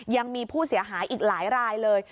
ยังมีผู้เสียหายอีกหลายรายเลย